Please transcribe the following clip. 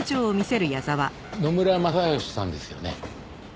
野村雅吉さんですよね？